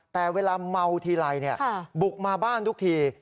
แต่เวลาเมาทีไรบุกมาบ้านทุกที